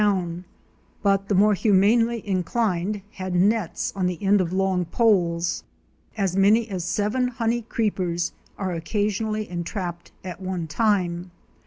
down, but the more humanely inclined had nets on the end of long poles. As many as seven Honey Creepers are occa sionally entrapped at one time.